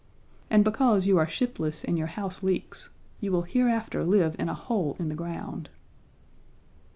And because you are shiftless and your house leaks, you will hereafter live in a hole in the ground.'